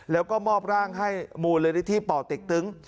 แล้วก็มอบร่างให้มูลนิธิป่อเต็กตึง